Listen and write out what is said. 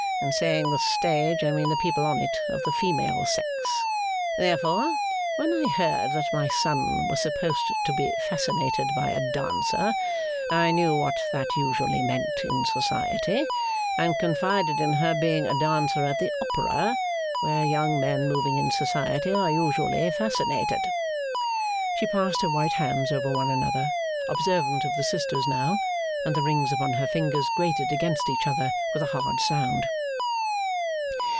In saying the stage, I mean the people on it of the female sex. Therefore, when I heard that my son was supposed to be fascinated by a dancer, I knew what that usually meant in Society, and confided in her being a dancer at the Opera, where young men moving in Society are usually fascinated.' She passed her white hands over one another, observant of the sisters now; and the rings upon her fingers grated against each other with a hard sound.